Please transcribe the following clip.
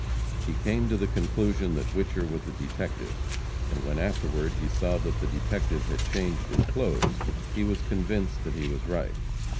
He came to the conclusion that Whicher was a detective; and when afterward he saw that the detective had changed his clothes, he was convinced that he was right.